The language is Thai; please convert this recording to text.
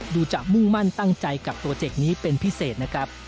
จะมุ่งมั่นตั้งใจกับโปรเจกต์นี้เป็นพิเศษนะครับ